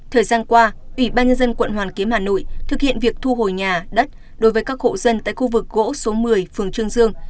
thời gian qua ủy ban nhân dân quận hoàn kiếm hà nội thực hiện việc thu hồi nhà đất đối với các hộ dân tại khu vực gỗ số một mươi phường trương dương